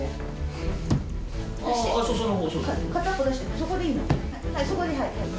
そこでいいの。